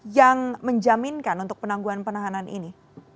yang menjaminkan untuk penangguhan penahanan ini